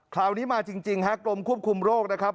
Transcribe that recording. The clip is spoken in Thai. คราวนี้มาจริงฮะกรมควบคุมโรคนะครับ